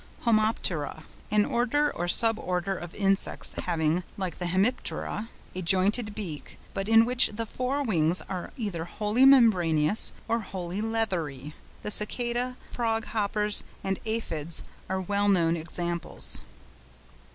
HOMOPTERA.—An order or sub order of insects having (like the Hemiptera) a jointed beak, but in which the fore wings are either wholly membranous or wholly leathery, The Cicadæ, frog hoppers, and Aphides, are well known examples.